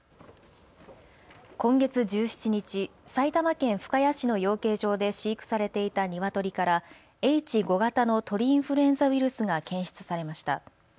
今月１７日、埼玉県深谷市の養鶏場で飼育されていたニワトリからＨ５型の鳥インフルエンザウイルスが検出されました。